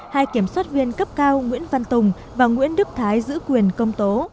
hai kiểm soát viên cấp cao nguyễn văn tùng và nguyễn đức thái giữ quyền công tố